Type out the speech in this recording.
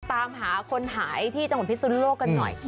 ตามหาคนหายที่จังหวัดพิสุนโลกกันหน่อย